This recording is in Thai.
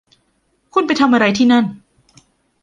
คุณไปทำอะไรที่นั่น